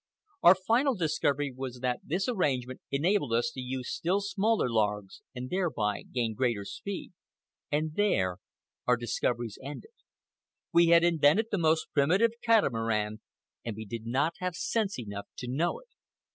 Our final discovery was that this arrangement enabled us to use still smaller logs and thereby gain greater speed. And there our discoveries ended. We had invented the most primitive catamaran, and we did not have sense enough to know it.